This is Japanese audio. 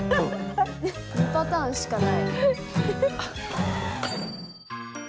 ２パターンしかない。